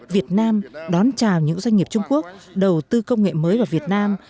việt nam đón chào những doanh nghiệp trung quốc đầu tư công nghệ mới vào việt nam